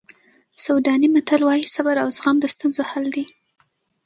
سوډاني متل وایي صبر او زغم د ستونزو حل دی.